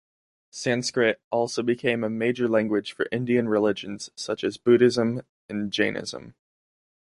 Sanskrit also became a major language for Indian religions such as Buddhism and Jainism.